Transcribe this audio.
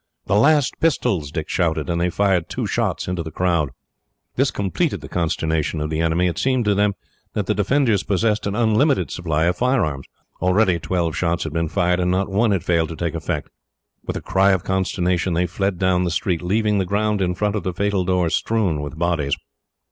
"The last pistols!" Dick shouted, and they fired two shots into the crowd. This completed the consternation of the enemy. It seemed to them that the defenders possessed an unlimited supply of firearms. Already twelve shots had been fired, and not one had failed to take effect. With a cry of consternation they fled down the street, leaving the ground in front of the fatal door strewn with bodies.